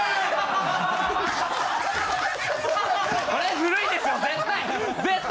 これずるいですよ絶対！